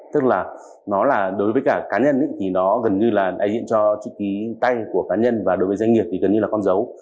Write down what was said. tức là nó là đối với cả cá nhân thì nó gần như là đại diện cho chữ ký tay của cá nhân và đối với doanh nghiệp thì gần như là con dấu